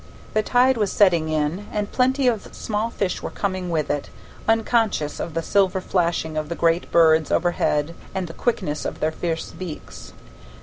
The tide was setting in, and plenty of small fish were coming with it, unconscious of the silver flashing of the great birds overhead and the quickness of their fierce beaks.